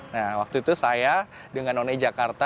nah waktu itu saya dengan none jakarta